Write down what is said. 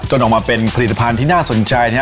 จนออกมาเป็นผลิตภัณฑ์ที่น่าสนใจนะครับ